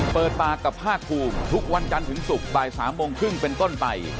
เปิดปากกับภาคภูมิทุกวันจันทร์ถึงศุกร์บ่าย๓โมงครึ่งเป็นต้นไป